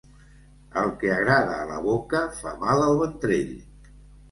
El que agrada a la boca fa mal al ventrell.